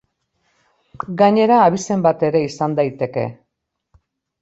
Gainera abizen bat ere izan daiteke.